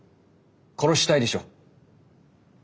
殺したいでしょ？